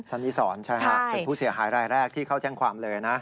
นิสรใช่ฮะเป็นผู้เสียหายรายแรกที่เข้าแจ้งความเลยนะ